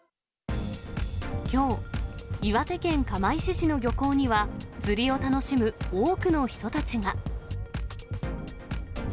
きょう、岩手県釜石市の漁港には、釣りを楽しむ多くの人たちが。